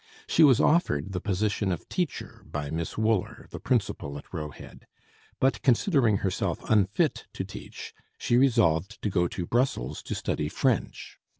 She was offered the position of teacher by Miss Wooler, the principal at Roe Head, but considering herself unfit to teach, she resolved to go to Brussels to study French.